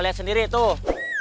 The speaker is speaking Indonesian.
lihat sendiri tuh